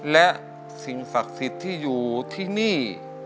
และสิ่งศักดิ์สิทธิ์ที่อยู่ที่นี่